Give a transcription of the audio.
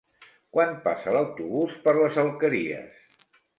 Quan passa l'autobús per les Alqueries?